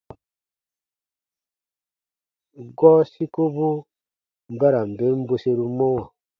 Gɔɔ sikobu ba ra n ben bweseru mɔwa.